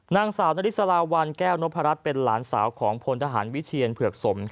นางสาวนริสลาวันแก้วนพรัชเป็นหลานสาวของพลทหารวิเชียนเผือกสม